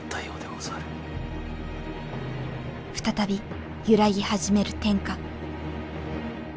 再び揺らぎ始める天下。